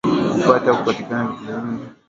Kupata na kupatikana ni vitu viwili vya maisha